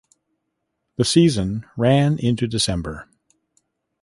The season ran into December.